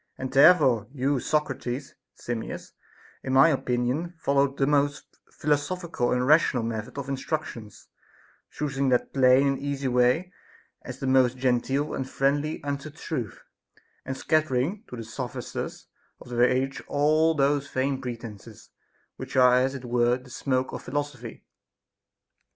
And therefore your Socrates, Simmias, in my opinion followed the most philosophical and rational method of instructions, choosing that plain and easy way as the most genteel and friendly unto truth, and scattering to the sophisters of the age all those vain pretences which are as it were the smoke of philosophy.